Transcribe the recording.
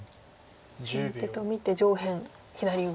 先手と見て上辺左上。